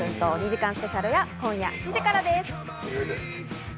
２時間スペシャルは今夜７時からです。